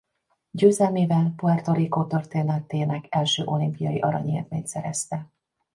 Győzelmével Puerto Rico történetének első olimpiai aranyérmét szerezte.